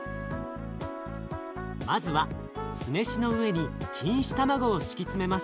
まずは酢飯の上に錦糸卵を敷き詰めます。